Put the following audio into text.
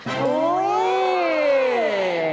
โอ้โฮ